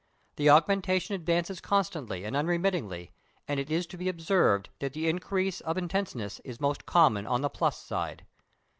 The augmentation advances constantly and unremittingly, and it is to be observed that the increase of intenseness is most common on the plus side.